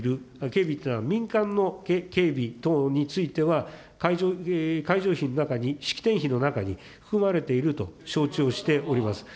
警備っていうのは、民間の警備等については、会場費の中に、式典費の中に含まれていると承知をしております。